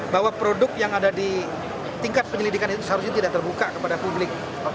bahwa produk yang ada di tingkat penyelidikan itu seharusnya tidak terbuka kepada publik